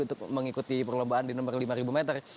untuk mengikuti perlombaan di nomor lima ribu meter